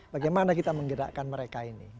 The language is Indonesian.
bagaimana kita menggerakkan mereka ini